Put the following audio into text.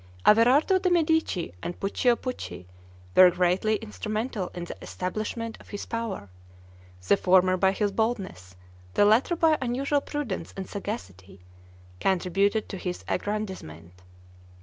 Averardo de' Medici and Puccio Pucci were greatly instrumental in the establishment of his power; the former by his boldness, the latter by unusual prudence and sagacity, contributed to his aggrandizement.